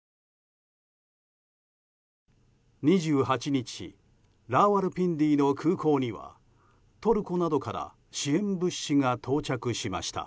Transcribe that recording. ２８日ラーワルピンディの空港にはトルコなどから支援物資が到着しました。